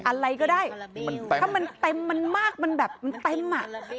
อะไรก็ได้ถ้ามันเต็มมันมากมันแบบมันเต็มอ่ะ